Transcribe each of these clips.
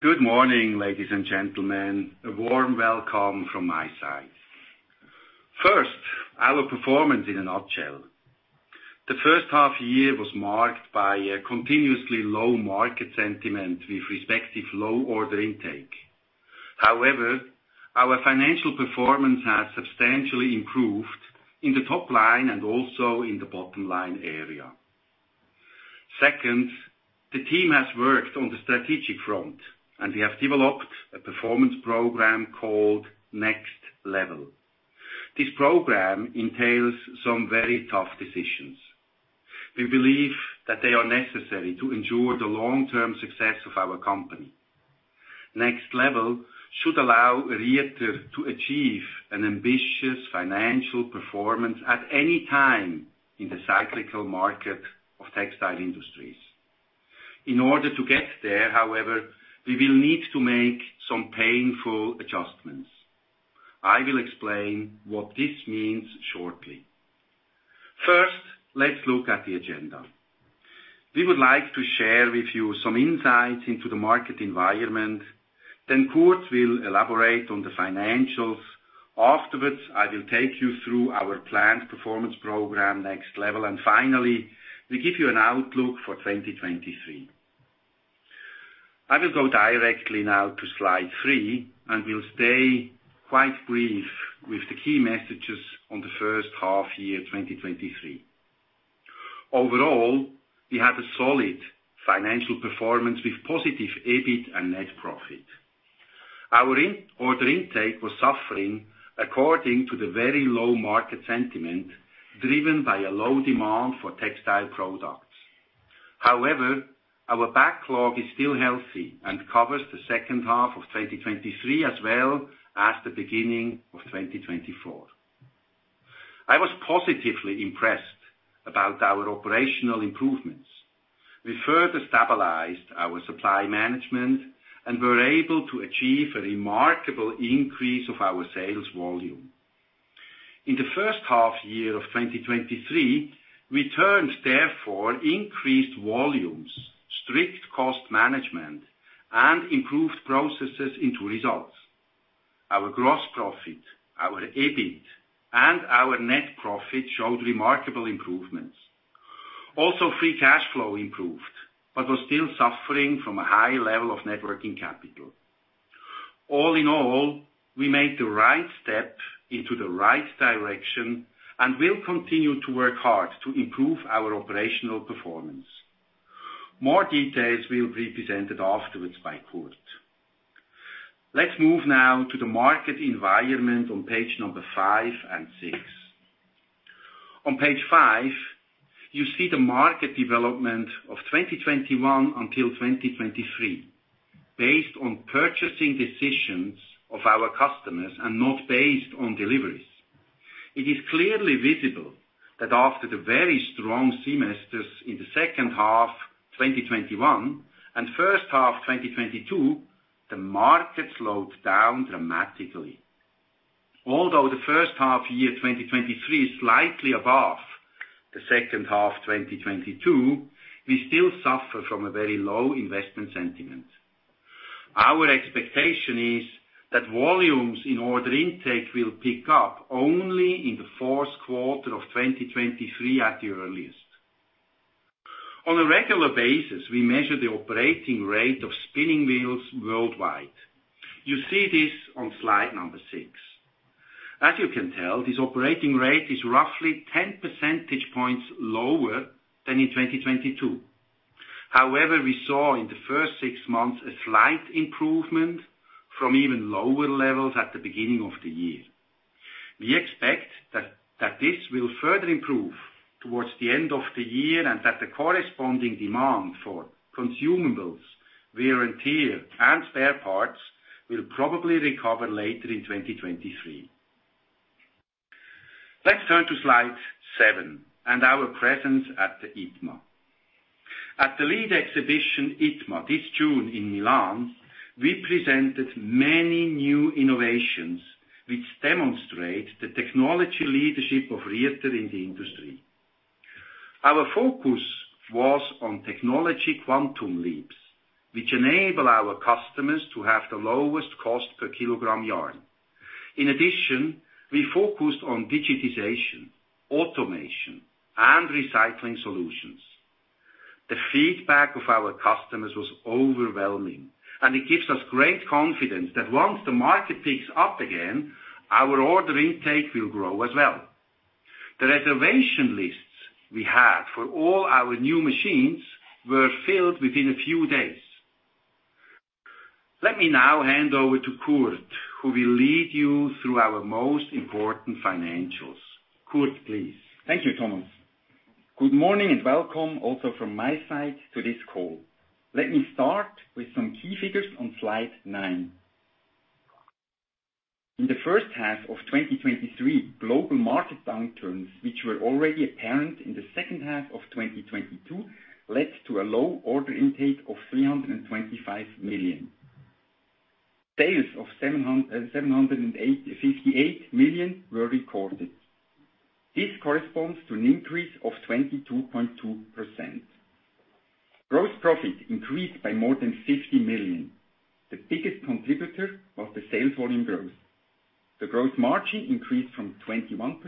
Good morning, ladies and gentlemen. A warm welcome from my side. First, our performance in a nutshell. The first half year was marked by a continuously low market sentiment with respective low order intake. However, our financial performance has substantially improved in the top line and also in the bottom line area. Second, the team has worked on the strategic front, and we have developed a performance program called Next Level. This program entails some very tough decisions. We believe that they are necessary to ensure the long-term success of our company. Next Level should allow Rieter to achieve an ambitious financial performance at any time in the cyclical market of textile industries. In order to get there, however, we will need to make some painful adjustments. I will explain what this means shortly. First, let's look at the agenda. We would like to share with you some insights into the market environment. Kurt will elaborate on the financials. Afterwards, I will take you through our planned performance program, Next Level, and finally, we give you an outlook for 2023. I will go directly now to slide 3, and we'll stay quite brief with the key messages on the first half year, 2023. Overall, we have a solid financial performance with positive EBIT and net profit. Our in- order intake was suffering according to the very low market sentiment, driven by a low demand for textile products. However, our backlog is still healthy and covers the second half of 2023, as well as the beginning of 2024. I was positively impressed about our operational improvements. We further stabilized our supply management and were able to achieve a remarkable increase of our sales volume. In the first half year of 2023, we turned, therefore, increased volumes, strict cost management, and improved processes into results. Our gross profit, our EBIT, and our net profit showed remarkable improvements. Also, Free Cash Flow improved, but was still suffering from a high level of net working capital. All in all, we made the right step into the right direction and will continue to work hard to improve our operational performance. More details will be presented afterwards by Kurt. Let's move now to the market environment on page number five and six. On page five, you see the market development of 2021 until 2023, based on purchasing decisions of our customers and not based on deliveries. It is clearly visible that after the very strong semesters in the second half, 2021, and first half, 2022, the market slowed down dramatically. Although the first half year, 2023, is slightly above the second half, 2022, we still suffer from a very low investment sentiment. Our expectation is that volumes in order intake will pick up only in Q4 of 2023, at the earliest. On a regular basis, we measure the operating rate of spinning wheels worldwide. You see this on slide number 6. As you can tell, this operating rate is roughly 10 percentage points lower than in 2022. However, we saw in the first six months a slight improvement from even lower levels at the beginning of the year. We expect that this will further improve towards the end of the year, and that the corresponding demand for consumables, wear and tear, and spare parts will probably recover later in 2023. Let's turn to slide 7 and our presence at the ITMA. At the lead exhibition, ITMA, this June in Milan, we presented many new innovations, which demonstrate the technology leadership of Rieter in the industry. Our focus was on technology quantum leaps, which enable our customers to have the lowest cost per kilogram yarn. In addition, we focused on digitization, automation, and recycling solutions. The feedback of our customers was overwhelming, and it gives us great confidence that once the market picks up again, our order intake will grow as well. The reservation lists we had for all our new machines were filled within a few days. Let me now hand over to Kurt, who will lead you through our most important financials. Kurt, please. Thank you, Thomas. Good morning, welcome also from my side to this call. Let me start with some key figures on slide 9. In the first half of 2023, global market downturns, which were already apparent in the second half of 2022, led to a low order intake of 325 million. Sales of 758 million were recorded. This corresponds to an increase of 22.2%. Gross profit increased by more than 50 million. The biggest contributor was the sales volume growth. The growth margin increased from 21%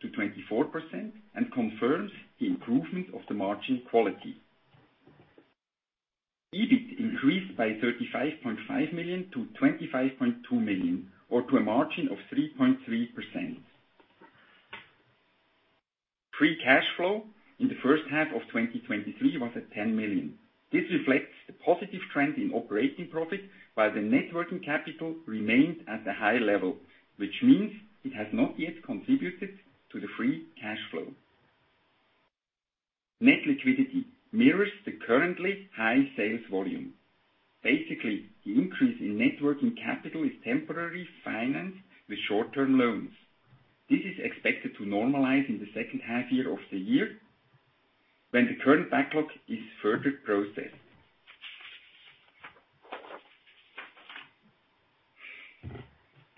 to 24% and confirms the improvement of the margin quality. EBIT increased by 35.5 million to 25.2 million, or to a margin of 3.3%. Free Cash Flow in the first half of 2023 was at 10 million. This reflects the positive trend in operating profit, while the net working capital remains at a high level, which means it has not yet contributed to the Free Cash Flow. Net liquidity mirrors the currently high sales volume. The increase in net working capital is temporarily financed with short-term loans. This is expected to normalize in the second half year of the year, when the current backlog is further processed.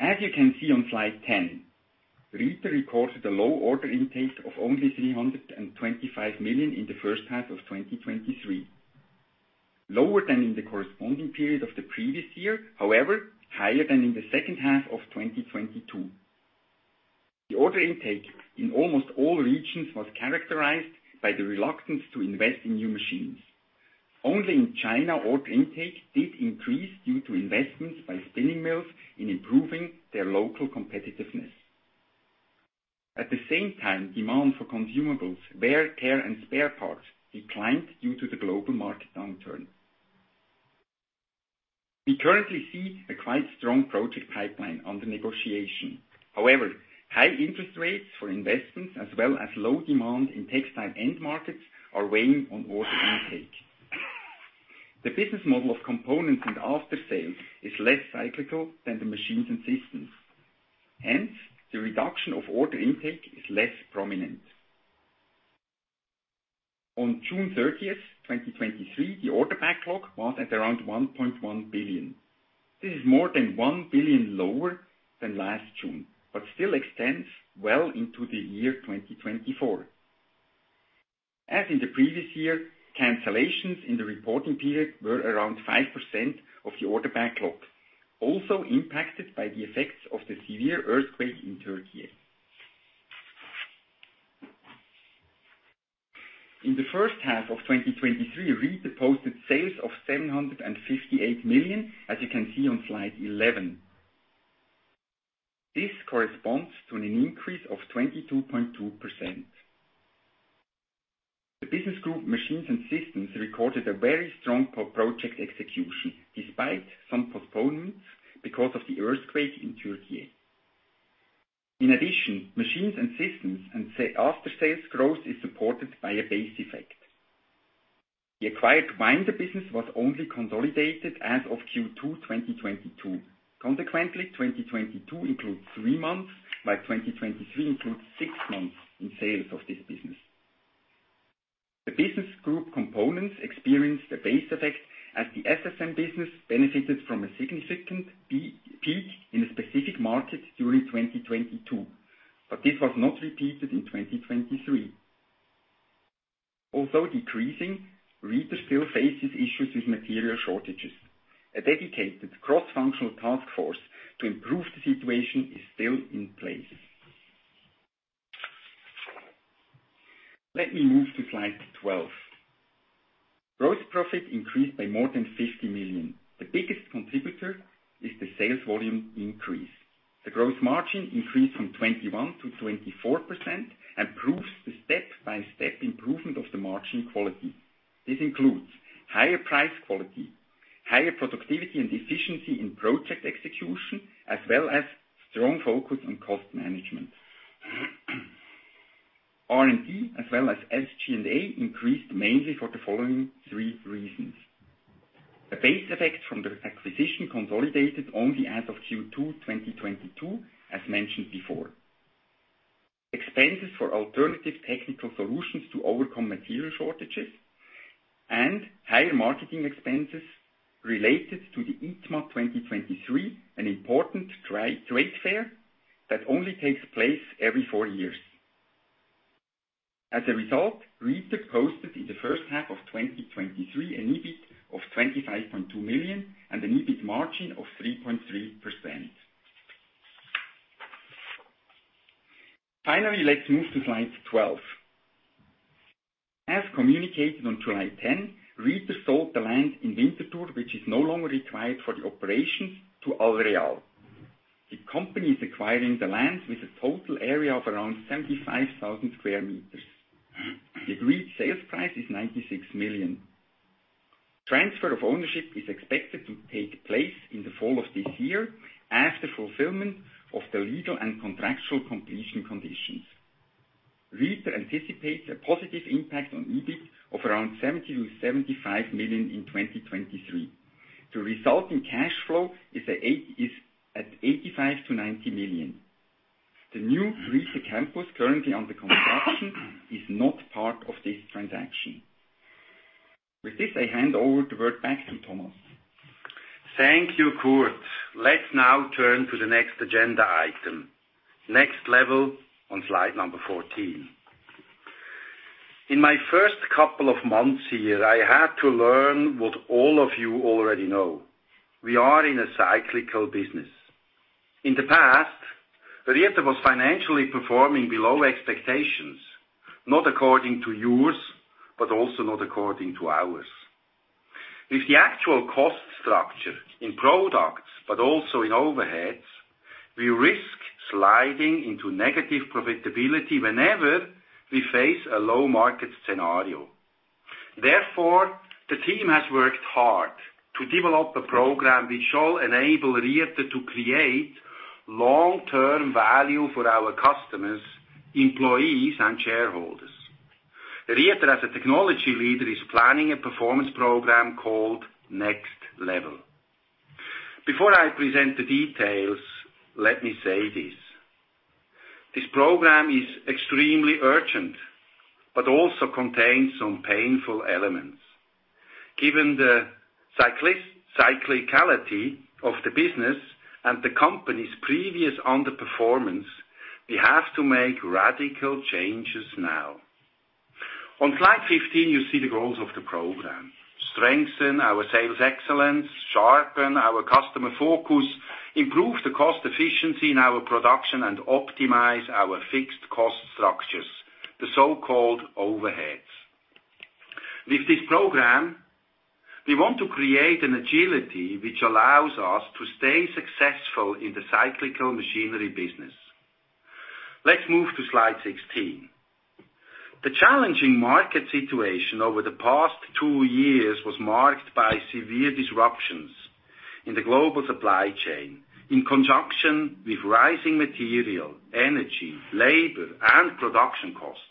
As you can see on slide 10, Rieter recorded a low order intake of only 325 million in the first half of 2023, lower than in the corresponding period of the previous year, however, higher than in the second half of 2022. The order intake in almost all regions was characterized by the reluctance to invest in new machines. Only in China, order intake did increase due to investments by spinning mills in improving their local competitiveness. At the same time, demand for consumables, wear, care, and spare parts declined due to the global market downturn. We currently see a quite strong project pipeline under negotiation. However, high interest rates for investments as well as low demand in textile end markets are weighing on order intake. The business model of Components and After Sales is less cyclical than the Machines & Systems, hence, the reduction of order intake is less prominent. On June 30th, 2023, the order backlog was at around 1.1 billion. This is more than 1 billion lower than last June, but still extends well into the year 2024. As in the previous year, cancellations in the reporting period were around 5% of the order backlog, also impacted by the effects of the severe earthquake in Turkey. In the first half of 2023, Rieter posted sales of 758 million, as you can see on slide 11. This corresponds to an increase of 22.2%. The business group, Machines & Systems, recorded a very strong project execution, despite some postponements because of the earthquake in Turkey. Machines & Systems and after-sales growth is supported by a base effect. The acquired winder business was only consolidated as of Q2, 2022. 2022 includes 3 months, while 2023 includes 6 months in sales of this business. The business group Components experienced a base effect, as the SSM business benefited from a significant peak in a specific market during 2022. This was not repeated in 2023. Although decreasing, Rieter still faces issues with material shortages. A dedicated cross-functional task force to improve the situation is still in place. Let me move to slide 12. Gross profit increased by more than 50 million. The biggest contributor is the sales volume increase. The growth margin increased from 21% to 24% and proves the step-by-step improvement of the margin quality. This includes higher price quality, higher productivity and efficiency in project execution, as well as strong focus on cost management. R&D, as well as SG&A, increased mainly for the following 3 reasons: the base effect from the acquisition consolidated only as of Q2 2022, as mentioned before. Expenses for alternative technical solutions to overcome material shortages and higher marketing expenses related to the ITMA 2023, an important trade fair that only takes place every four years. Rieter posted in the first half of 2023, an EBIT of 25.2 million and an EBIT margin of 3.3%. Let's move to slide 12. As communicated on July 10, Rieter sold the land in Winterthur, which is no longer required for the operations, to Allreal. The company is acquiring the land with a total area of around 75,000 square meters. The agreed sales price is 96 million. Transfer of ownership is expected to take place in the fall of this year, after fulfillment of the legal and contractual completion conditions. Rieter anticipates a positive impact on EBIT of around 70 million-75 million in 2023. The resulting cash flow is at 85 million-90 million. The new Rieter campus, currently under construction, is not part of this transaction. With this, I hand over the word back to Thomas. Thank you, Kurt. Let's now turn to the next agenda item. Next Level on slide number 14. In my first couple of months here, I had to learn what all of you already know: We are in a cyclical business. In the past, Rieter was financially performing below expectations, not according to yours, but also not according to ours. With the actual cost structure in products, but also in overheads, we risk sliding into negative profitability whenever we face a low market scenario. The team has worked hard to develop a program which shall enable Rieter to create long-term value for our customers, employees, and shareholders. Rieter, as a technology leader, is planning a performance program called Next Level. Before I present the details, let me say this: This program is extremely urgent, but also contains some painful elements. Given the cyclicality of the business and the company's previous underperformance, we have to make radical changes now. On slide 15, you see the goals of the program: strengthen our sales excellence, sharpen our customer focus, improve the cost efficiency in our production, and optimize our fixed cost structures, the so-called overheads. With this program, we want to create an agility which allows us to stay successful in the cyclical machinery business. Let's move to slide 16. The challenging market situation over the past two years was marked by severe disruptions in the global supply chain, in conjunction with rising material, energy, labor, and production costs.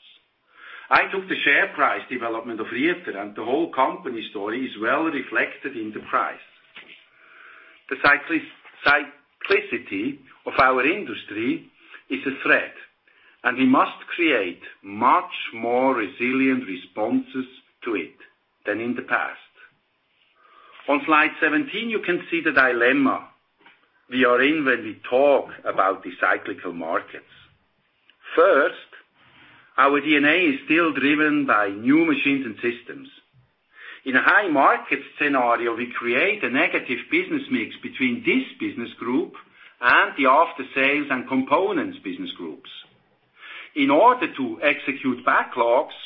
I took the share price development of Rieter. The whole company story is well reflected in the price. The cyclicity of our industry is a threat. We must create much more resilient responses to it than in the past. On slide 17, you can see the dilemma we are in when we talk about the cyclical markets. Our DNA is still driven by new Machines & Systems. In a high market scenario, we create a negative business mix between this business group and the After Sales and Components business groups. In order to execute backlogs,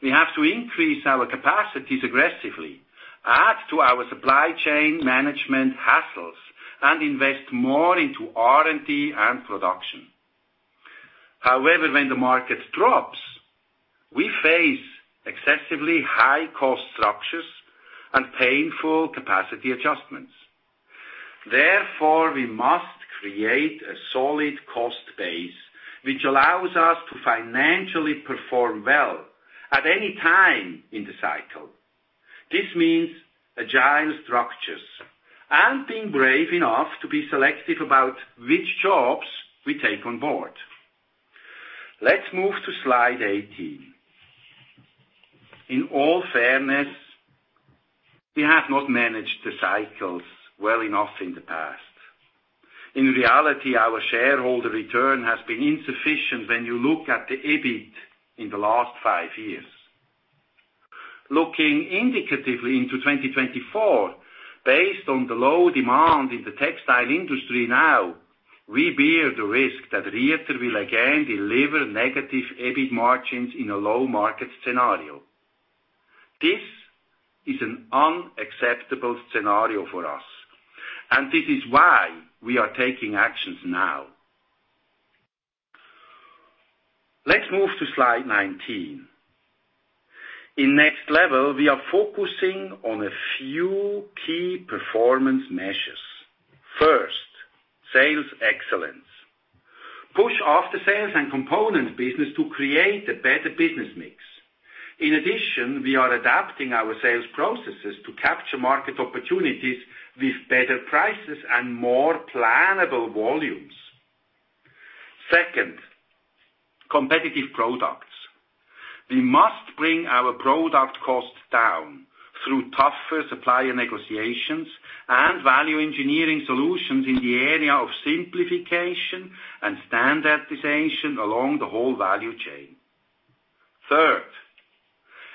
we have to increase our capacities aggressively, add to our supply chain management hassles, and invest more into R&D and production. When the market drops, we face excessively high cost structures and painful capacity adjustments. We must create a solid cost base, which allows us to financially perform well at any time in the cycle. This means agile structures and being brave enough to be selective about which jobs we take on board. Let's move to slide 18. In all fairness, we have not managed the cycles well enough in the past. In reality, our shareholder return has been insufficient when you look at the EBIT in the last five years. Looking indicatively into 2024, based on the low demand in the textile industry now, we bear the risk that Rieter will again deliver negative EBIT margins in a low market scenario. This is an unacceptable scenario for us, this is why we are taking actions now. Let's move to slide 19. In Next Level, we are focusing on a few key performance measures. First, sales excellence. Push After Sales and Components business to create a better business mix. In addition, we are adapting our sales processes to capture market opportunities with better prices and more plannable volumes. Second, competitive products. We must bring our product costs down through tougher supplier negotiations and value engineering solutions in the area of simplification and standardization along the whole value chain. Third,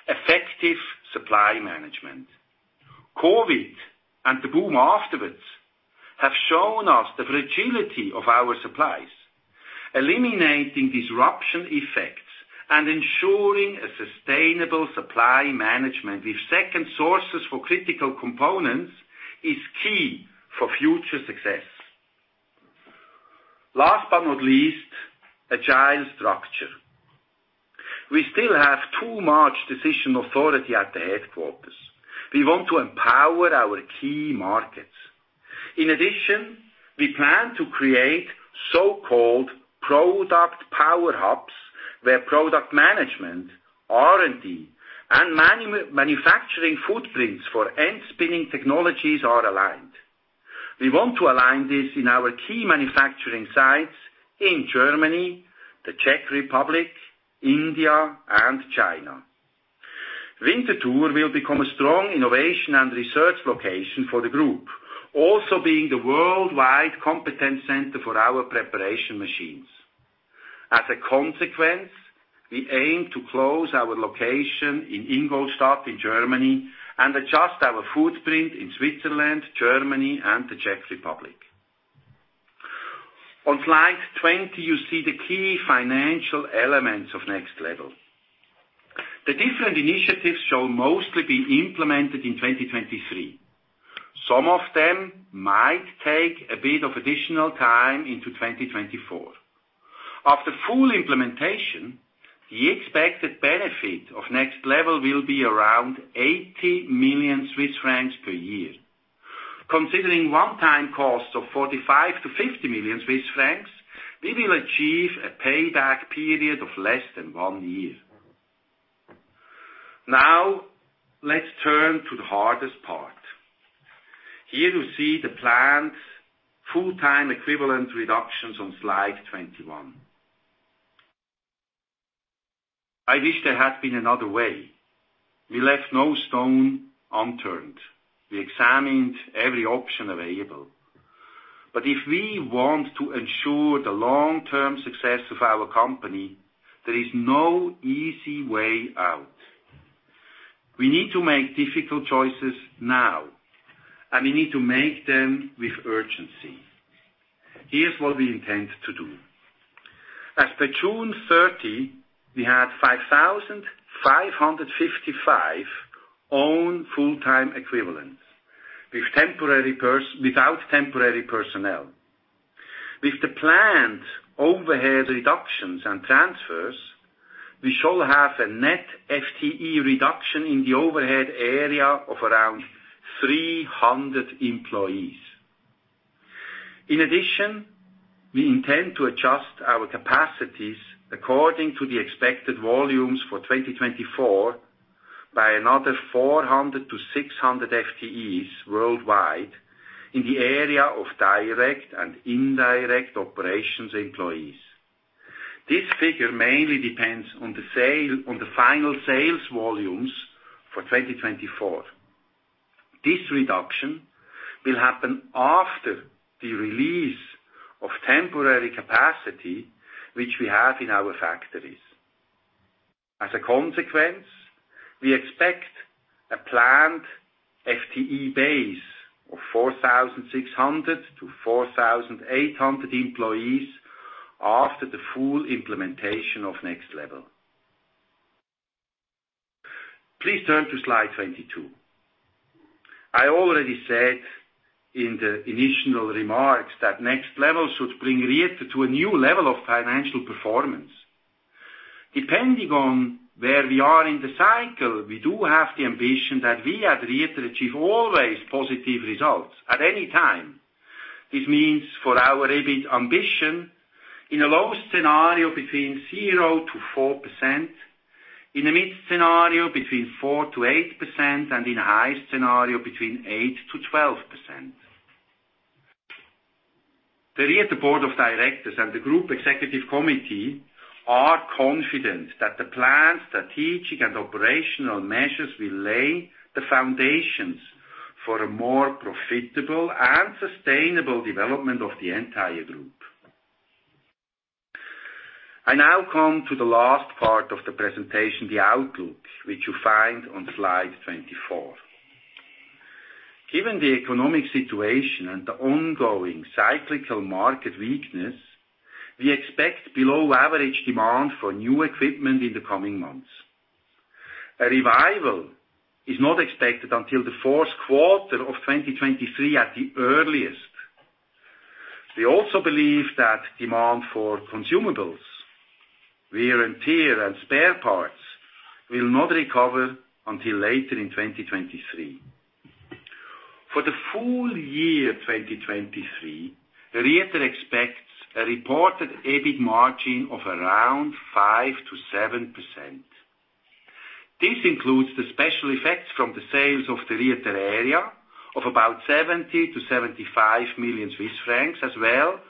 effective supply management. COVID, and the boom afterwards, have shown us the fragility of our supplies. Eliminating disruption effects and ensuring a sustainable supply management with second sources for critical components is key for future success. Last but not least, agile structure. We still have too much decision authority at the headquarters. We want to empower our key markets. In addition, we plan to create so-called product power hubs, where product management, R&D, and manufacturing footprints for end spinning technologies are aligned. We want to align this in our key manufacturing sites in Germany, the Czech Republic, India, and China. Winterthur will become a strong innovation and research location for the group, also being the worldwide competent center for our preparation machines. As a consequence, we aim to close our location in Ingolstadt, in Germany, and adjust our footprint in Switzerland, Germany, and the Czech Republic. On slide 20, you see the key financial elements of Next Level. The different initiatives shall mostly be implemented in 2023. Some of them might take a bit of additional time into 2024. After full implementation, the expected benefit of Next Level will be around 80 million Swiss francs per year. Considering one-time costs of 45 million-50 million Swiss francs, we will achieve a payback period of less than one year. Let's turn to the hardest part. Here you see the planned full-time equivalent reductions on slide 21. I wish there had been another way. We left no stone unturned. We examined every option available. If we want to ensure the long-term success of our company, there is no easy way out. We need to make difficult choices now, and we need to make them with urgency. Here's what we intend to do. As per June 30, we had 5,555 own full-time equivalents, without temporary personnel. With the planned overhead reductions and transfers, we shall have a net FTE reduction in the overhead area of around 300 employees. In addition, we intend to adjust our capacities according to the expected volumes for 2024, by another 400-600 FTEs worldwide, in the area of direct and indirect operations employees. This figure mainly depends on the final sales volumes for 2024. This reduction will happen after the release of temporary capacity, which we have in our factories. As a consequence, we expect a planned FTE base of 4,600-4,800 employees after the full implementation of Next Level. Please turn to slide 22. I already said in the initial remarks that Next Level should bring Rieter to a new level of financial performance. Depending on where we are in the cycle, we do have the ambition that we at Rieter achieve always positive results at any time. This means for our EBIT ambition, in a low scenario, between 0%-4%, in a mid scenario, between 4%-8%, and in a high scenario, between 8%-12%. The Rieter Board of Directors and the Group Executive Committee are confident that the planned strategic and operational measures will lay the foundations for a more profitable and sustainable development of the entire group. I now come to the last part of the presentation, the outlook, which you find on slide 24. Given the economic situation and the ongoing cyclical market weakness, we expect below average demand for new equipment in the coming months. A revival is not expected until the Q4 2023, at the earliest. We also believe that demand for consumables, wear and tear, and spare parts, will not recover until later in 2023. For the full year 2023, Rieter expects a reported EBIT margin of around 5%-7%. This includes the special effects from the sales of the Rieter Areal of about 70 million-75 million Swiss francs, as well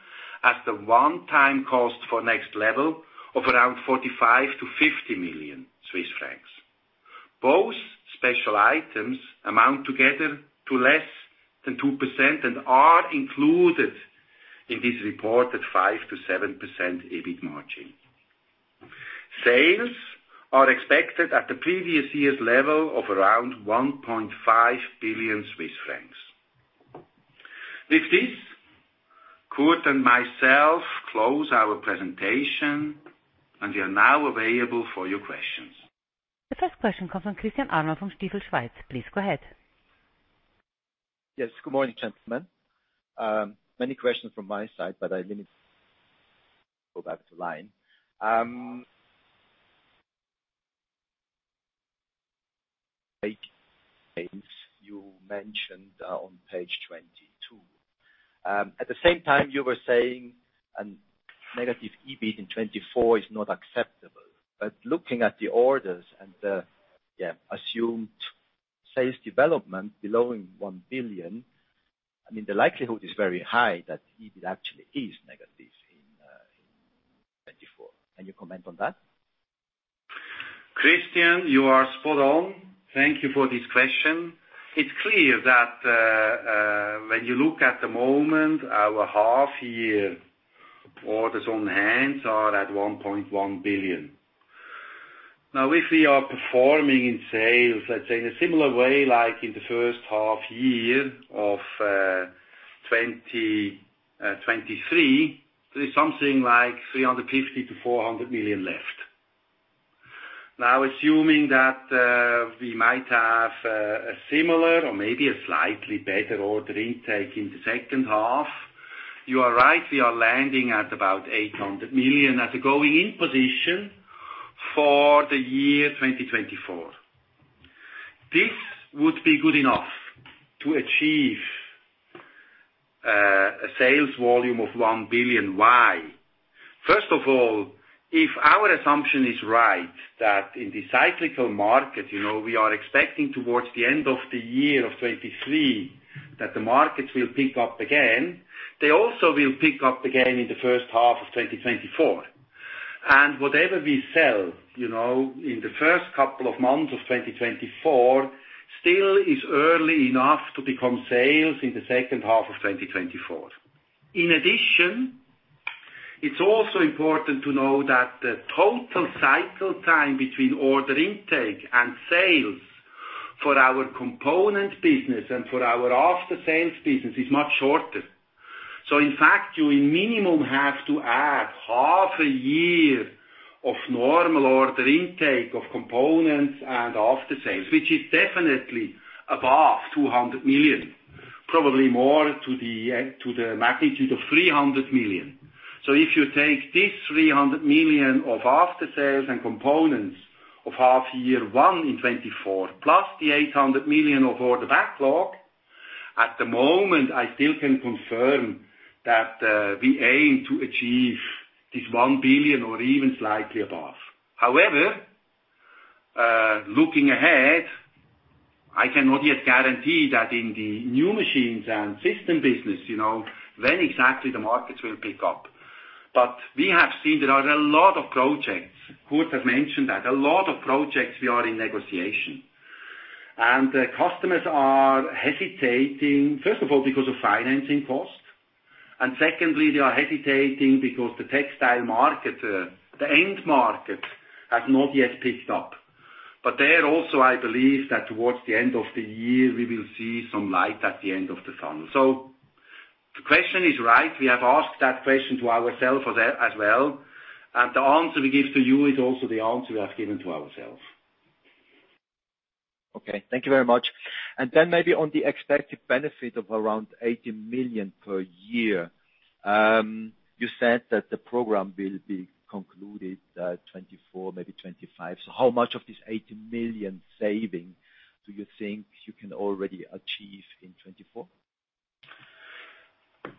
as the one-time cost for Next Level of around 45 million-50 million Swiss francs. Both special items amount together to less than 2% and are included in this reported 5%-7% EBIT margin. Sales are expected at the previous year's level of around 1.5 billion Swiss francs. With this, Kurt and myself close our presentation. We are now available for your questions. The first question comes from Christian Arnold from Stifel Schweiz. Please go ahead. Yes, good morning, gentlemen. Many questions from my side, go back to line. Take things you mentioned on page 22. At the same time, you were saying negative EBIT in 2024 is not acceptable. Looking at the orders and the assumed sales development below in 1 billion, I mean, the likelihood is very high that it actually is negative in 2024. Can you comment on that? Christian, you are spot on. Thank Thank you for this question. It's clear that when you look at the moment, our half year orders on hand are at 1.1 billion. If we are performing in sales, let's say, in a similar way, like in the first half year of 2023, there's something like 350 million-400 million left. Assuming that we might have a similar or maybe a slightly better order intake in the second half, you are right, we are landing at about 800 million as a going-in position for the year 2024. This would be good enough to achieve a sales volume of 1 billion. Why? First of all, if our assumption is right, that in the cyclical market, you know, we are expecting towards the end of the year of 2023, that the markets will pick up again, they also will pick up again in the first half of 2024. Whatever we sell, you know, in the first couple of months of 2024, still is early enough to become sales in the second half of 2024. In addition, it's also important to know that the total cycle time between order intake and sales for our component business and for our after-sales business is much shorter. In fact, you in minimum, have to add half a year of normal order intake of Components and After Sales, which is definitely above 200 million, probably more to the magnitude of 300 million. If you take this 300 million of After Sales and Components of H1 in 2024, plus the 800 million of order backlog, at the moment, I still can confirm that we aim to achieve this 1 billion or even slightly above. However, looking ahead, I cannot yet guarantee that in the new Machines & Systems business, you know, when exactly the markets will pick up. We have seen there are a lot of projects. Kurt have mentioned that, a lot of projects we are in negotiation. The customers are hesitating, first of all, because of financing costs, and secondly, they are hesitating because the textile market, the end market, has not yet picked up. There also, I believe that towards the end of the year, we will see some light at the end of the tunnel. The question is right. We have asked that question to ourselves for that as well, and the answer we give to you is also the answer we have given to ourselves. Okay, thank you very much. Maybe on the expected benefit of around 80 million per year, you said that the program will be concluded, 2024, maybe 2025. How much of this 80 million saving do you think you can already achieve in 2024?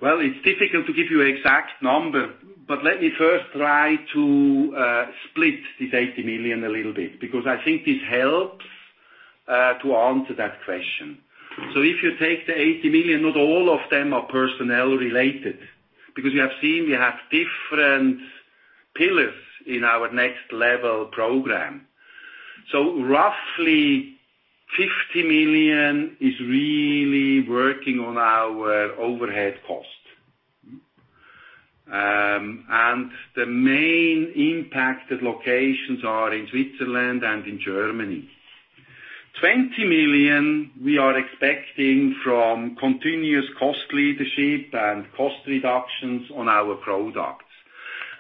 Well, it's difficult to give you an exact number, but let me first try to split this 80 million a little bit, because I think this helps to answer that question. If you take the 80 million, not all of them are personnel-related, because we have different pillars in our Next Level program. Roughly 50 million is really working on our overhead cost. The main impacted locations are in Switzerland and in Germany. 20 million, we are expecting from continuous cost leadership and cost reductions on our products.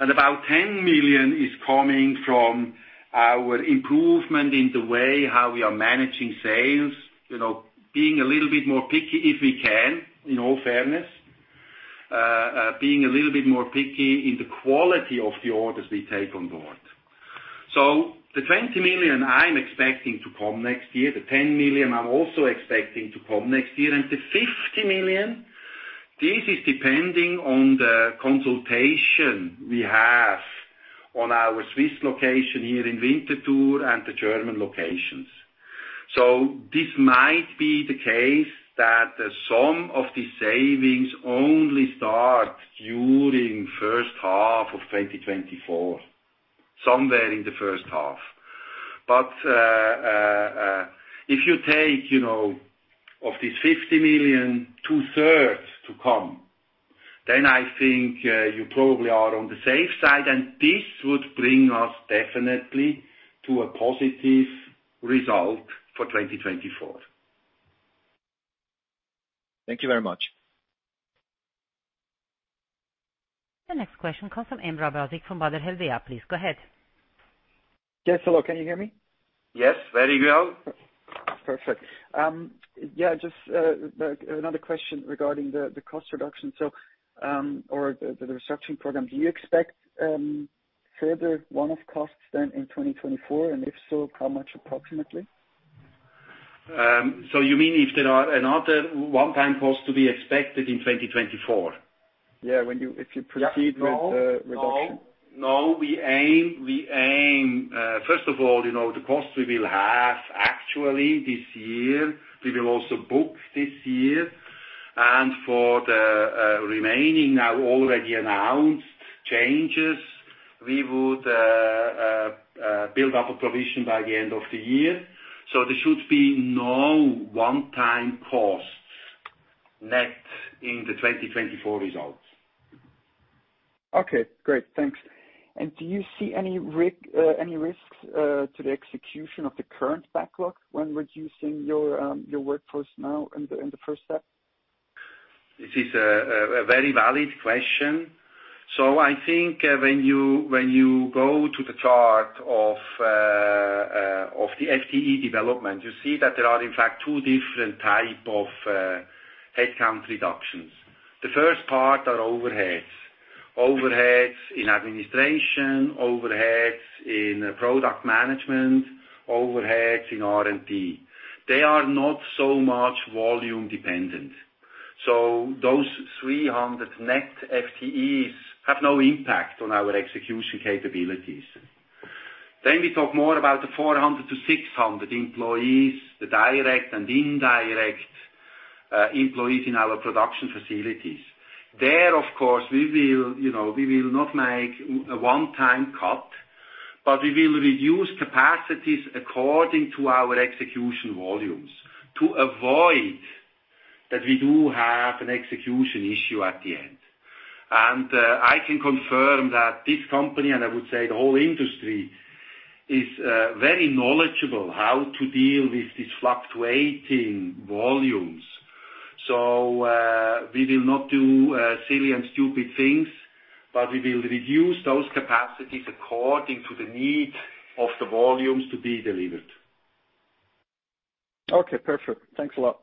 About 10 million is coming from our improvement in the way how we are managing sales, you know, being a little bit more picky, if we can, in all fairness. Being a little bit more picky in the quality of the orders we take on board. The 20 million, I'm expecting to come next year. The 10 million, I'm also expecting to come next year. The 50 million, this is depending on the consultation we have on our Swiss location here in Winterthur and the German locations. This might be the case that some of these savings only start during first half of 2024, somewhere in the first half. If you take, you know, of this 50 million, two-thirds to come, then I think, you probably are on the safe side, and this would bring us definitely to a positive result for 2024. Thank you very much. The next question comes from Emrah Basic from Baader Helvea. Please go ahead. Yes, hello, can you hear me? Yes, there you go. Perfect. Yeah, just another question regarding the cost reduction. The, the reduction program, do you expect further one-off costs then in 2024, and if so, how much approximately?... you mean if there are another one-time costs to be expected in 2024? Yeah, when you, if you proceed with the reduction. No, we aim, first of all, you know, the cost we will have actually this year, we will also book this year. For the remaining now already announced changes, we would build up a provision by the end of the year. There should be no one-time costs net in the 2024 results. Okay, great. Thanks. Do you see any risks to the execution of the current backlog when reducing your workforce now in the first step? This is a very valid question. I think when you go to the chart of the FTE development, you see that there are, in fact, two different type of headcount reductions. The first part are overheads. Overheads in administration, overheads in product management, overheads in R&D. They are not so much volume dependent, those 300 net FTEs have no impact on our execution capabilities. We talk more about the 400-600 employees, the direct and indirect employees in our production facilities. There, of course, we will, you know, we will not make a one-time cut, but we will reduce capacities according to our execution volumes, to avoid that we do have an execution issue at the end. I can confirm that this company, and I would say the whole industry, is very knowledgeable how to deal with these fluctuating volumes. We will not do silly and stupid things, but we will reduce those capacities according to the need of the volumes to be delivered. Okay, perfect. Thanks a lot.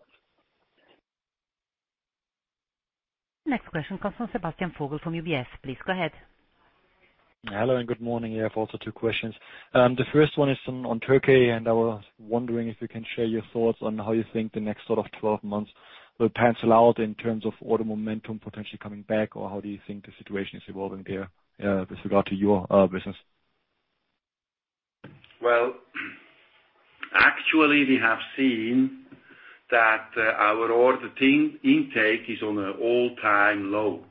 Next question comes from Sebastian Vogel, from UBS. Please go ahead. Hello, and good morning. I have also 2 questions. The first one is on Turkey, and I was wondering if you can share your thoughts on how you think the next sort of 12 months will pencil out in terms of order momentum potentially coming back, or how do you think the situation is evolving there, with regard to your business? Well, actually, we have seen that our order team intake is on an all-time low.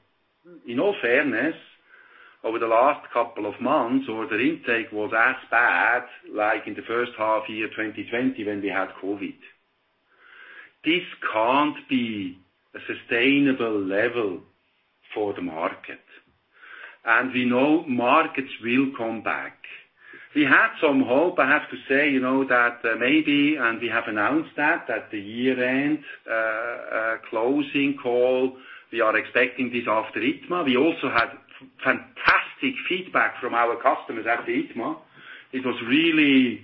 In all fairness, over the last couple of months, order intake was as bad like in the first half year, 2020, when we had COVID. This can't be a sustainable level for the market, we know markets will come back. We had some hope, I have to say, you know, that maybe, we have announced that, at the year-end closing call, we are expecting this after ITMA. We also had fantastic feedback from our customers at the ITMA. It was really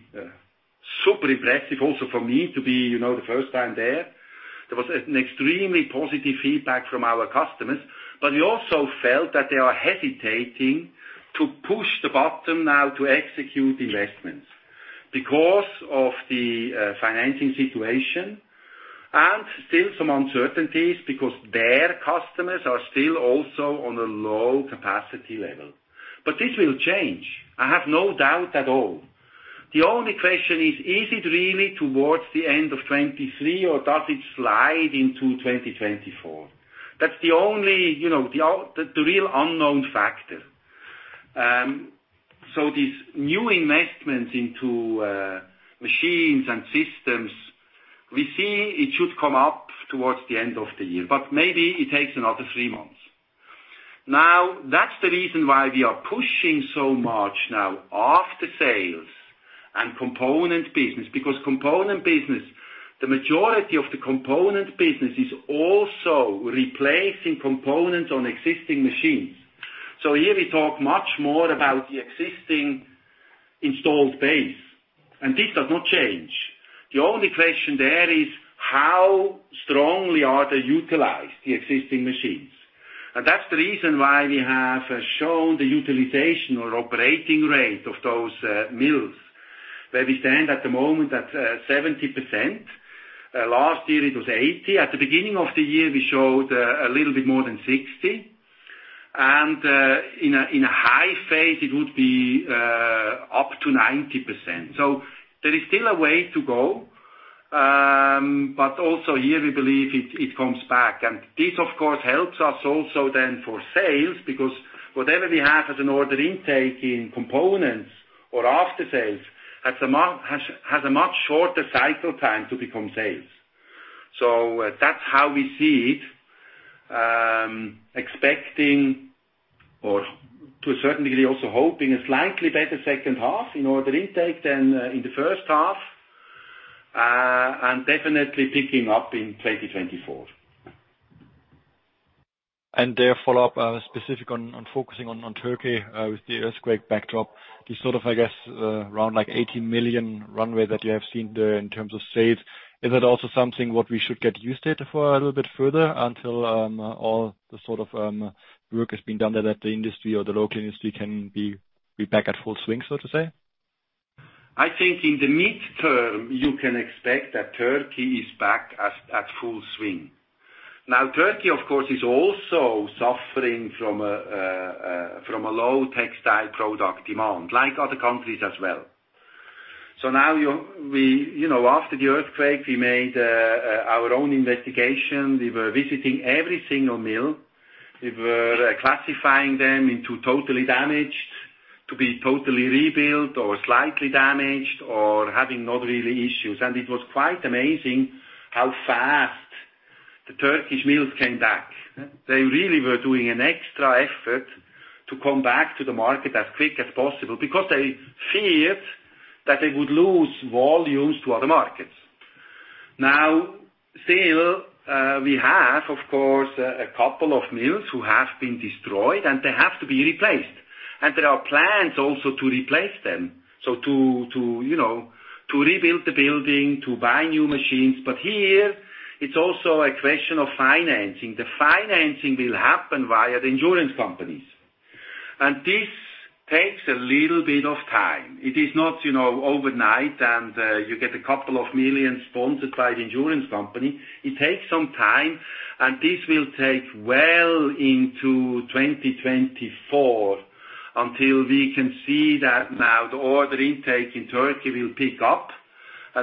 super impressive also for me to be, you know, the first time there. There was an extremely positive feedback from our customers. We also felt that they are hesitating to push the button now to execute investments because of the financing situation and still some uncertainties, because their customers are still also on a low capacity level. This will change. I have no doubt at all. The only question is: Is it really towards the end of 2023, or does it slide into 2024? That's the only, you know, the real unknown factor. These new investments into Machines & Systems, we see it should come up towards the end of the year, but maybe it takes another three months. That's the reason why we are pushing so much now after sales and component business, because component business, the majority of the component business is also replacing components on existing machines. Here we talk much more about the existing installed base, and this does not change. The only question there is: How strongly are they utilized, the existing machines? That's the reason why we have shown the utilization or operating rate of those mills, where we stand at the moment at 70%. Last year it was 80. At the beginning of the year, we showed a little bit more than 60, and in a high phase, it would be up to 90%. There is still a way to go, but also here, we believe it comes back. This, of course, helps us also then for sales, because whatever we have as an order intake in Components or After Sales, has a much shorter cycle time to become sales. That's how we see it, expecting or to a certain degree, also hoping a slightly better second half in order intake than in the first half, and definitely picking up in 2024. Then follow up specific on focusing on Turkey with the earthquake backdrop. The sort of, I guess, around like 80 million runway that you have seen there in terms of sales, is that also something what we should get used to for a little bit further until all the sort of work is being done there, that the industry or the local industry can be back at full swing, so to say? I think in the midterm, you can expect that Turkey is back at full swing. Now, Turkey, of course, is also suffering from a low textile product demand, like other countries as well. Now, you know, after the earthquake, we made our own investigation. We were visiting every single mill. We were classifying them into totally damaged, to be totally rebuilt or slightly damaged or having not really issues. It was quite amazing how fast the Turkish mills came back. They really were doing an extra effort to come back to the market as quick as possible because they feared that they would lose volumes to other markets. Now, still, we have, of course, a couple of mills who have been destroyed, and they have to be replaced. There are plans also to replace them, so to, you know, to rebuild the building, to buy new machines. Here, it's also a question of financing. The financing will happen via the insurance companies, and this takes a little bit of time. It is not, you know, overnight, and you get a couple of million sponsored by the insurance company. It takes some time, and this will take well into 2024, until we can see that now the order intake in Turkey will pick up.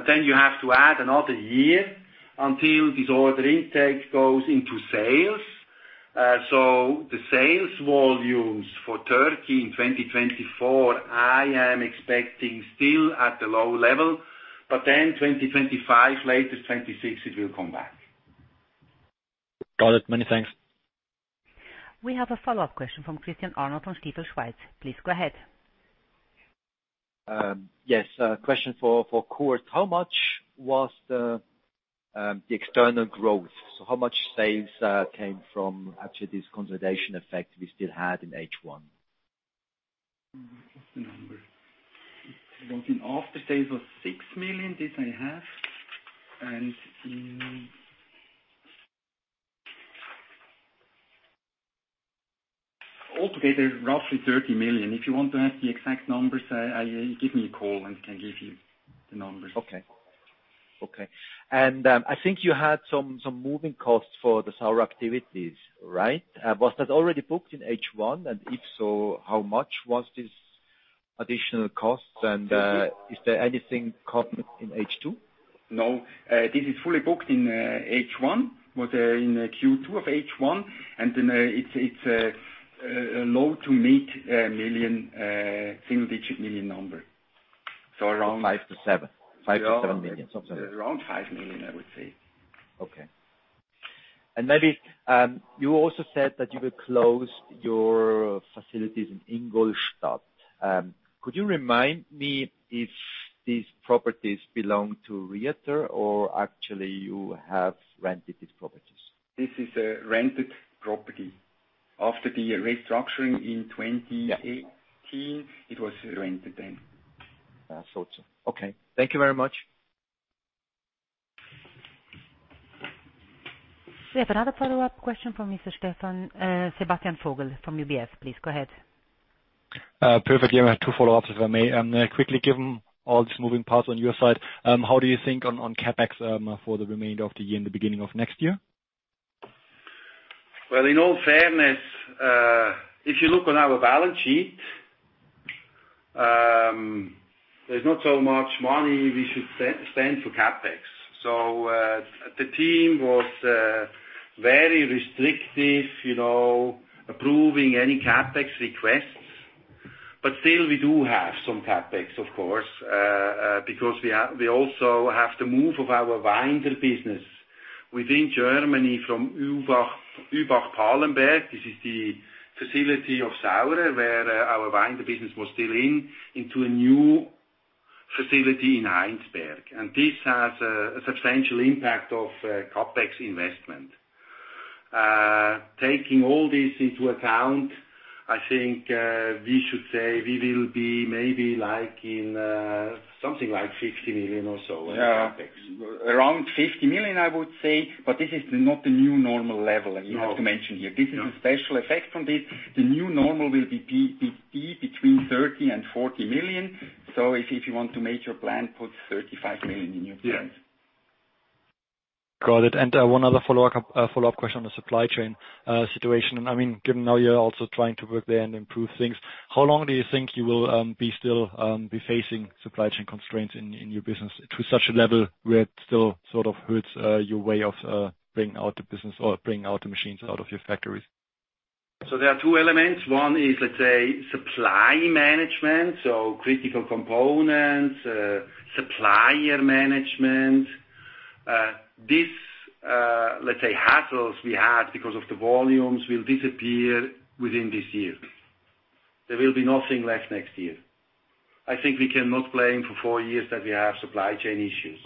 Then you have to add another year until this order intake goes into sales. So the sales volumes for Turkey in 2024, I am expecting still at the low level, then 2025, latest 2026, it will come back. Got it. Many thanks. We have a follow-up question from Christian Arnold on Stifel Schweiz. Please go ahead. Yes, a question for Kurt. How much was the external growth? How much sales came from actually this consolidation effect we still had in H1? What's the number? I think after sales of 6 million, this I have. Altogether, roughly 30 million. If you want to have the exact numbers, give me a call, and I can give you the numbers. Okay. Okay, I think you had some moving costs for the Saurer activities, right? Was that already booked in H1? If so, how much was this additional cost? Is there anything caught in H2? No, this is fully booked in H1. In Q2 of H1, it's a low to mid, million, single-digit million number. Around. 5-7. 5 million-7 million, something like that. Around 5 million, I would say. Okay. Maybe, you also said that you will close your facilities in Ingolstadt. Could you remind me if these properties belong to Rieter, or actually you have rented these properties? This is a rented property. After the restructuring in 2018. Yeah. It was rented then. I thought so. Thank you very much. We have another follow-up question from Sebastian Vogel from UBS. Please go ahead. Perfect. I have 2 follow-ups, if I may. Quickly, given all these moving parts on your side, how do you think on CapEx for the remainder of the year and the beginning of next year? Well, in all fairness, if you look on our balance sheet, there's not so much money we should spend for CapEx. The team was very restrictive, you know, approving any CapEx requests. Still, we do have some CapEx, of course, because we also have the move of our winder business within Germany from Übach-Palenberg. This is the facility of Saurer, where our winder business was still in, into a new facility in Heinsberg, and this has a substantial impact of CapEx investment. Taking all this into account, I think, we should say we will be maybe like in something like 50 million or so in CapEx. Around 50 million, I would say, but this is not the new normal level. No. you have to mention here. No. This is a special effect from this. The new normal will be between 30 million and 40 million. If you want to make your plan, put 35 million in your plan. Yes. Got it. One other follow-up question on the supply chain situation. I mean, given now you're also trying to work there and improve things, how long do you think you will be still facing supply chain constraints in your business to such a level where it still sort of hurts your way of bringing out the business or bringing out the machines out of your factories? There are two elements. One is, let's say, supply management, so critical components, supplier management. This, let's say, hassles we had because of the volumes will disappear within this year. There will be nothing left next year. I think we cannot claim for four years that we have supply chain issues,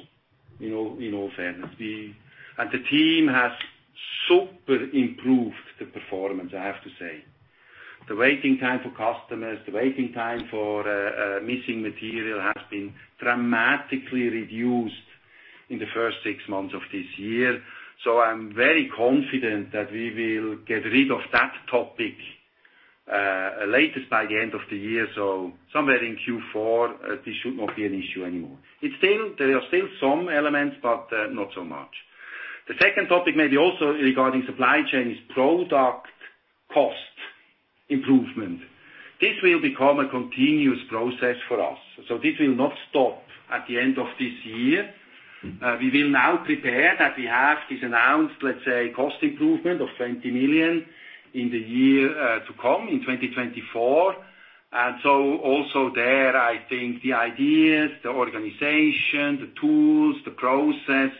you know, in all fairness. We and the team has super improved the performance, I have to say. The waiting time for customers, the waiting time for missing material has been dramatically reduced in the first six months of this year. I'm very confident that we will get rid of that topic latest by the end of the year. Somewhere in Q4, this should not be an issue anymore. There are still some elements, but not so much. The second topic, maybe also regarding supply chain, is product cost improvement. This will become a continuous process for us, so this will not stop at the end of this year. We will now prepare that we have this announced, let's say, cost improvement of 20 million in the year to come, in 2024. Also there, I think the ideas, the organization, the tools, the process,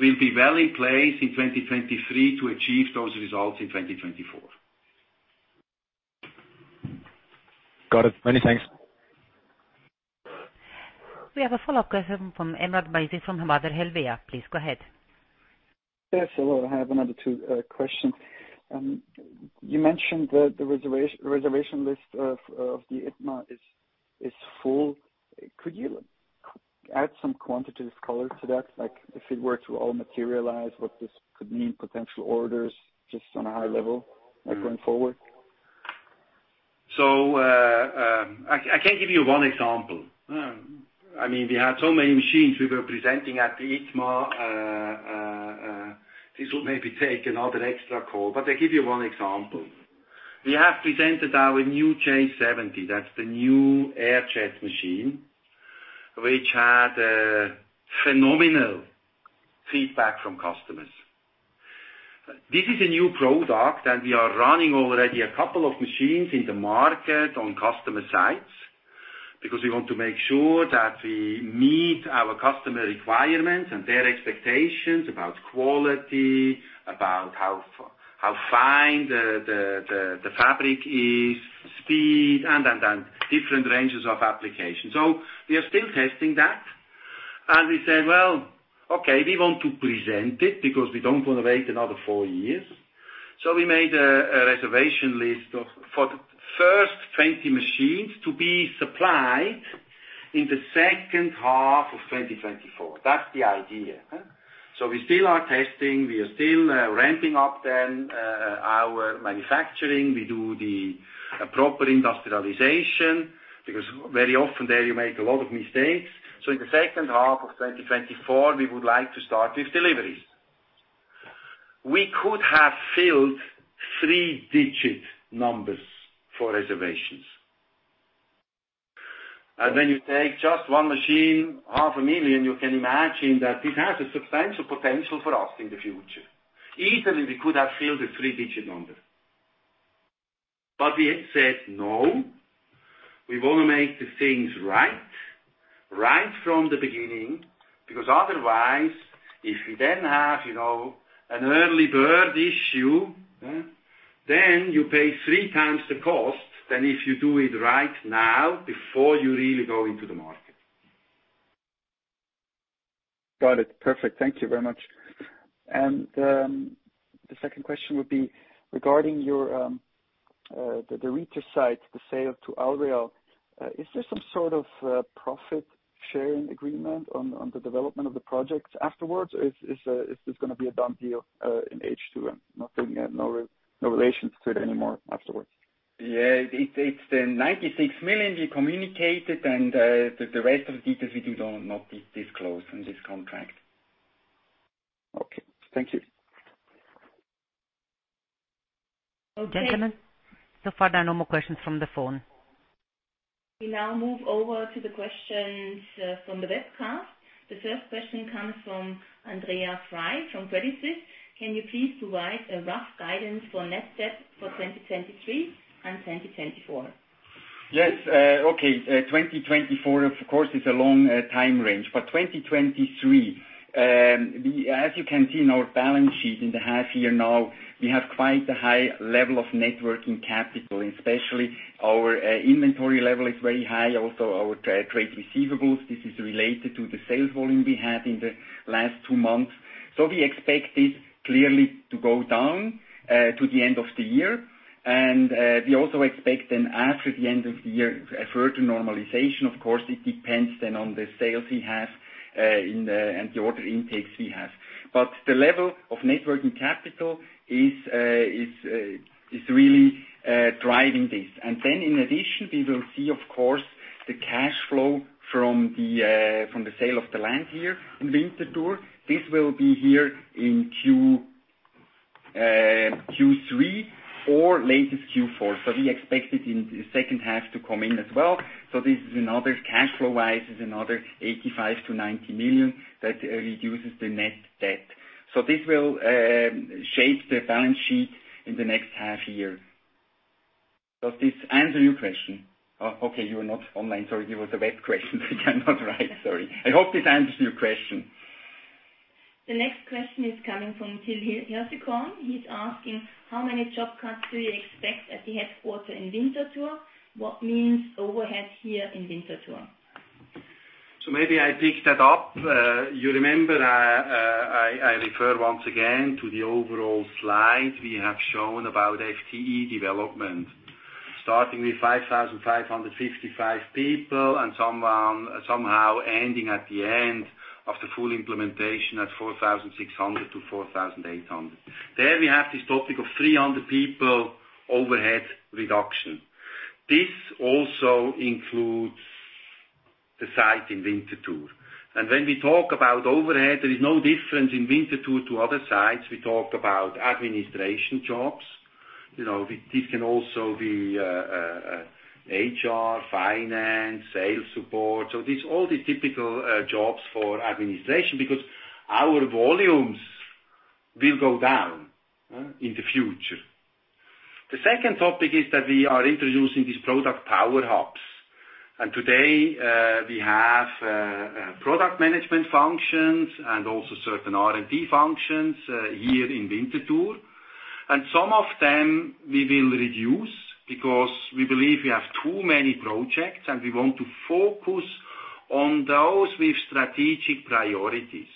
will be well in place in 2023 to achieve those results in 2024. Got it. Many thanks. We have a follow-up question from Emrah Basic, from Baader Helvea. Please go ahead. Hello, I have another two questions. You mentioned that the reservation list of the ITMA is full. Could you add some quantitative color to that? Like, if it were to all materialize, what this could mean, potential orders, just on a high level, like going forward? I can give you one example. I mean, we had so many machines we were presenting at the ITMA. This will maybe take another extra call, but I give you one example. We have presented our new J 70. That's the new air jet machine, which had a phenomenal feedback from customers. This is a new product, and we are running already a couple of machines in the market on customer sites, because we want to make sure that we meet our customer requirements and their expectations about quality, about how fine the fabric is, speed, and different ranges of applications. We are still testing that. We said: Well, okay, we want to present it because we don't want to wait another four years. We made a reservation list for the first 20 machines to be supplied in the second half of 2024. That's the idea, huh? We still are testing, we are still ramping up then our manufacturing. We do the appropriate industrialization, because very often there you make a lot of mistakes. In the second half of 2024, we would like to start with deliveries. We could have filled three-digit numbers for reservations. When you take just one machine, half a million, you can imagine that this has a substantial potential for us in the future. Easily, we could have filled a three-digit number. We said, "No, we want to make the things right from the beginning," because otherwise, if you then have, you know, an early bird issue, then you pay three times the cost than if you do it right now before you really go into the market. Got it. Perfect. Thank you very much. The second question would be regarding your, the Rieter site, the sale to Allreal. Is there some sort of profit-sharing agreement on the development of the projects afterwards, or is this going to be a done deal in H2, and nothing, no relationship to it anymore afterwards? Yeah, it's the 96 million we communicated, and the rest of the details we do not disclose in this contract. Okay. Thank you. Okay. Gentlemen, so far, there are no more questions from the phone. We now move over to the questions from the webcast. The first question comes from Andrea Frey from Credit Suisse: Can you please provide a rough guidance for net debt for 2023 and 2024? Yes, okay. 2024, of course, is a long time range, but 2023, as you can see in our balance sheet in the half year now, we have quite a high level of net working capital, especially our inventory level is very high, also our trade receivables. This is related to the sales volume we had in the last two months. We expect this clearly to go down to the end of the year. We also expect then, after the end of the year, a further normalization. Of course, it depends then on the sales we have and the order intakes we have. The level of net working capital is really driving this. In addition, we will see, of course, the cash flow from the sale of the land here in Winterthur. This will be here in Q3 or latest Q4. We expect it in the second half to come in as well. This is another, cash flow-wise, is another 85 million-90 million that reduces the net debt. This will shape the balance sheet in the next half year. Does this answer your question? Okay, you are not online. Sorry, you were the web question. I'm not right. Sorry. I hope this answers your question. The next question is coming from [Till Hirzicon]. He's asking: How many job cuts do you expect at the headquarter in Winterthur? What means overhead here in Winterthur? Maybe I pick that up. You remember I refer once again to the overall slide we have shown about FTE development. Starting with 5,555 people, and someone, somehow ending at the end of the full implementation at 4,600-4,800. There we have this topic of 300 people overhead reduction. This also includes the site in Winterthur. When we talk about overhead, there is no difference in Winterthur to other sites. We talked about administration jobs. You know, this can also be HR, finance, sales support. These, all the typical jobs for administration, because our volumes will go down in the future. The second topic is that we are introducing these product power hubs, and today, we have product management functions and also certain R&D functions here in Winterthur. Some of them we will reduce because we believe we have too many projects, and we want to focus on those with strategic priorities.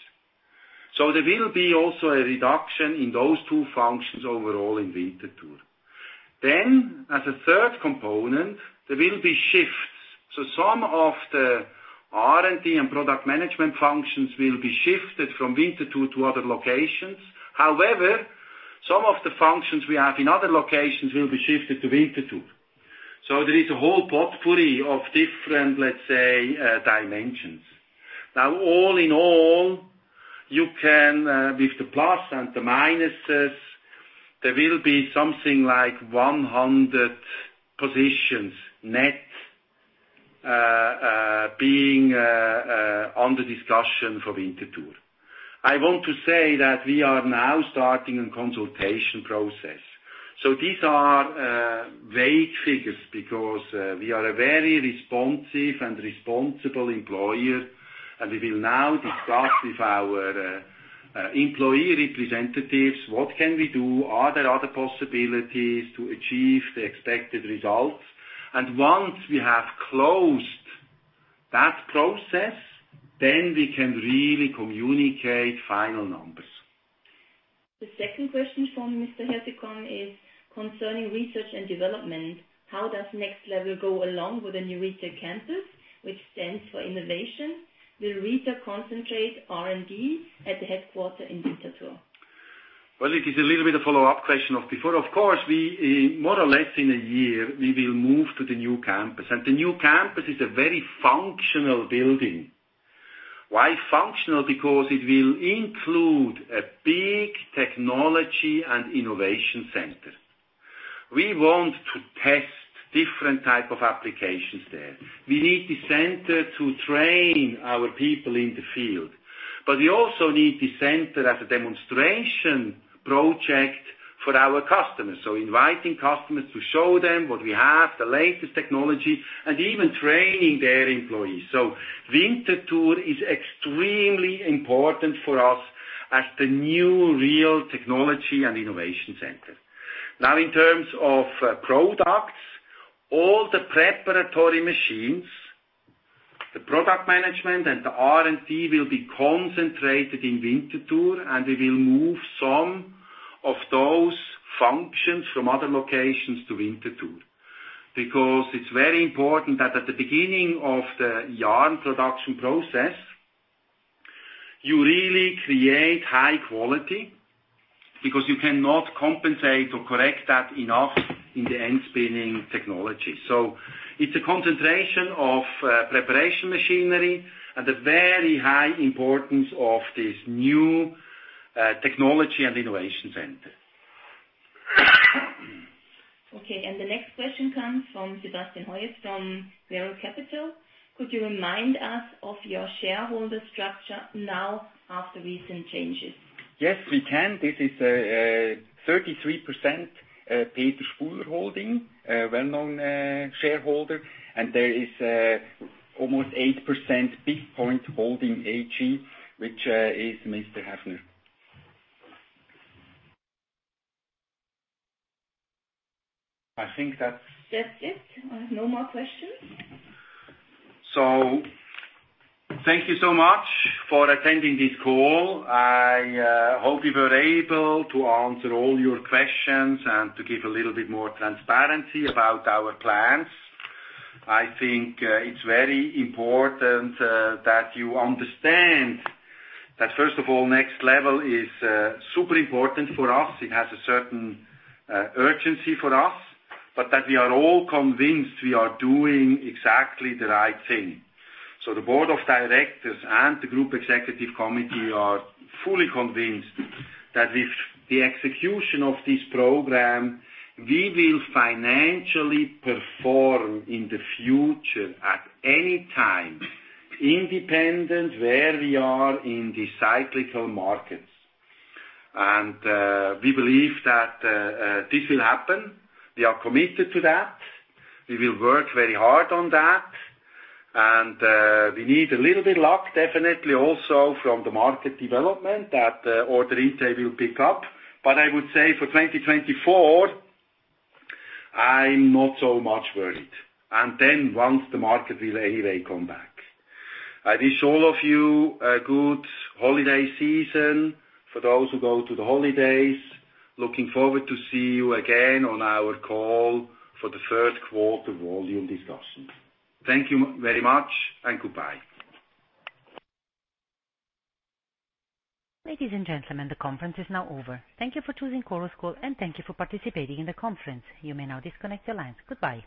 There will be also a reduction in those two functions overall in Winterthur. As a third component, there will be shifts. Some of the R&D and product management functions will be shifted from Winterthur to other locations. However, some of the functions we have in other locations will be shifted to Winterthur. There is a whole potpourri of different, let's say, dimensions. All in all, you can, with the plus and the minuses, there will be something like 100 positions net, being on the discussion for Winterthur. I want to say that we are now starting a consultation process. These are vague figures because we are a very responsive and responsible employer, and we will now discuss with our employee representatives, what can we do? Are there other possibilities to achieve the expected results? Once we have closed that process, then we can really communicate final numbers. The second question from Mr. Hirzicon is concerning research and development. How does Next Level go along with the new research campus, which stands for innovation? Will Rieter concentrate R&D at the headquarter in Winterthur? Well, it is a little bit of follow-up question of before. We, more or less in a year, we will move to the new campus. The new campus is a very functional building. Why functional? It will include a big technology and innovation center. We want to test different type of applications there. We need the center to train our people in the field. We also need the center as a demonstration project for our customers. Inviting customers to show them what we have, the latest technology, and even training their employees. Winterthur is extremely important for us as the new real technology and innovation center. Now, in terms of products, all the preparatory machines, the product management and the R&D, will be concentrated in Winterthur. We will move some of those functions from other locations to Winterthur. Because it's very important that at the beginning of the yarn production process, you really create high quality, because you cannot compensate or correct that enough in the end spinning technology. It's a concentration of preparation machinery and a very high importance of this new technology and innovation center. Okay, the next question comes from Sebastian Hoyer, from Vero Capital. Could you remind us of your shareholder structure now, after recent changes? Yes, we can. This is 33% Peter Spuhler holding, a well-known shareholder, and there is almost 8% BigPoint Holding AG, which is Mr. Haefner. I think. That's it. I have no more questions. Thank you so much for attending this call. I hope we were able to answer all your questions and to give a little bit more transparency about our plans. I think it's very important that you understand that first of all, Next Level is super important for us. It has a certain urgency for us, but that we are all convinced we are doing exactly the right thing. The Board of Directors and the Group Executive Committee are fully convinced that with the execution of this program, we will financially perform in the future, at any time, independent where we are in the cyclical markets. We believe that this will happen. We are committed to that. We will work very hard on that, and we need a little bit luck, definitely also from the market development, that order intake will pick up. I would say for 2024, I'm not so much worried. Once the market will anyway come back. I wish all of you a good holiday season, for those who go to the holidays. Looking forward to see you again on our call for the first quarter volume discussions. Thank you very much, and goodbye. Ladies and gentlemen, the conference is now over. Thank you for choosing Chorus Call, thank you for participating in the conference. You may now disconnect your lines. Goodbye.